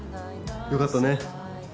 よかったね。